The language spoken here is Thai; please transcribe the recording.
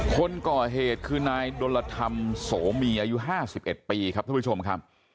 คนก่อเหตุคือนายดลธรรมโสมีอายุ๕๑ปีครับท่านผู้ชมครับ